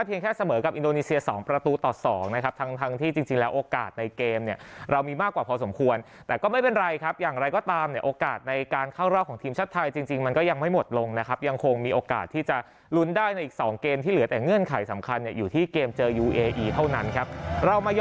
เพราะว่าธีมชาติไทยเราทำได้เพียงแค่เสมอกับ